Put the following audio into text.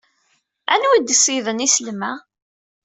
Anwa i d-iseyyden islem-a?